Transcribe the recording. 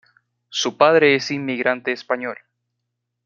Su padre es inmigrante español.